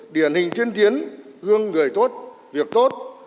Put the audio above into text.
điển hình tiên tiến hương người tốt việc tốt